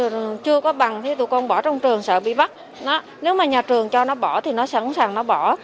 nếu mà nhà trường sợ bị bắt nếu mà nhà trường cho nó bỏ thì nó sẵn sàng nó bỏ